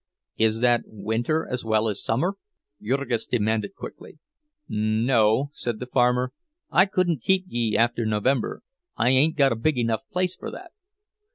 "Is that winter as well as summer?" Jurgis demanded quickly. "N—no," said the farmer; "I couldn't keep ye after November—I ain't got a big enough place for that."